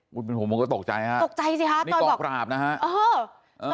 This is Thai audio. คุณผู้หญิงผมก็ตกใจค่ะนี่กองปราบนะฮะตกใจสิค่ะจอยบอก